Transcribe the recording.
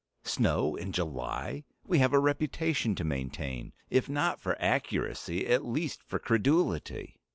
Snow in July! We have a reputation to maintain! If not for accuracy, at least for credulity."